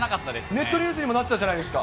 ネットニュースにもなったじゃないですか。